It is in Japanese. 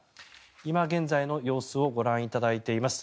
今現在の様子をご覧いただいています。